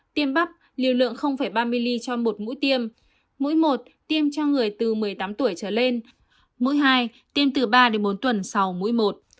tiêm bắp liều lượng ba ml cho một mũi tiêm mũi một tiêm cho người từ một mươi tám tuổi trở lên mũi hai tiêm từ ba đến bốn tuần sau mũi một